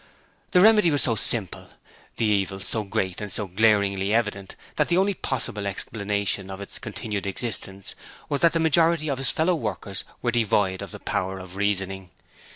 The remedy was so simple, the evil so great and so glaringly evident that the only possible explanation of its continued existence was that the majority of his fellow workers were devoid of the power of reasoning.